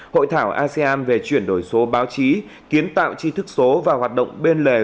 hội thảo asean về chuyển đổi số báo chí kiến tạo chi thức số và hoạt động bên lề